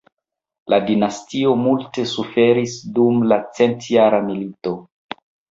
La dinastio multe suferis dum la centjara milito.